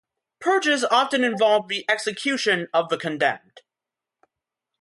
Purges often involved the execution of the condemned.